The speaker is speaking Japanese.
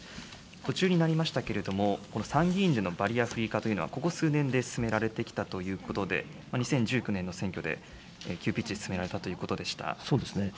途中になりましたけれども、この参議院でのバリアフリー化というのは、ここ数年で進められてきたということで、２０１９年の選挙で、急ピッチで進められたとそうですね。